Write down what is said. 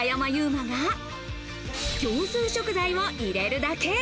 馬が業スー食材を入れるだけ。